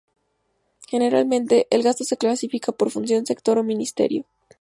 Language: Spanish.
Generalmente, el gasto se clasifica por función, sector o ministerio.